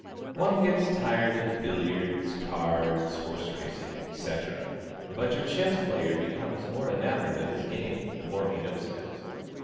One gets tired of billiards, cards, horse racing, etc., but your chess player becomes more enamored of his game, the more he knows of it.